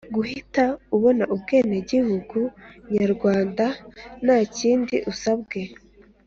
guhita ubona ubwenegihugu nyarwanda nta kindi usabwe.